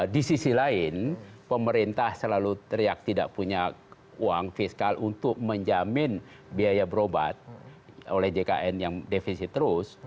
di sisi lain pemerintah selalu teriak tidak punya uang fiskal untuk menjamin biaya berobat oleh jkn yang defisit terus